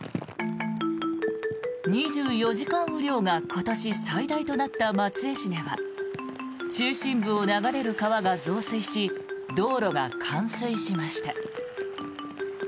２４時間雨量が今年最大となった松江市では中心部を流れる川が増水し道路が冠水しました。